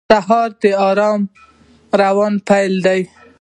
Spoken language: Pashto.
سهار د آرام روان پیل دی.